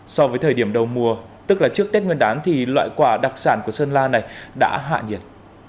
so với thời điểm đầu mùa tức là trước tết nguyên đán thì loại quả đặc sản của sơn la này đã hạ nhiệt